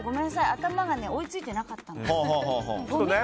頭が追い付いてなかったの。